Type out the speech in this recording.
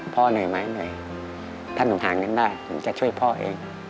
เหนื่อยไหมเหนื่อยถ้าหนูหาเงินได้หนูจะช่วยพ่อเอง